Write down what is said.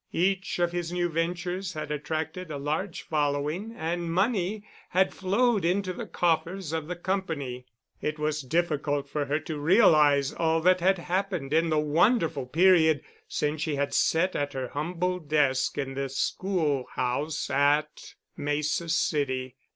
Each of his new ventures had attracted a large following, and money had flowed into the coffers of the company. It was difficult for her to realize all that happened in the wonderful period since she had sat at her humble desk in the schoolhouse at Mesa City.